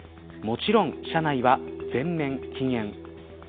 もちろん、車内は全面禁煙。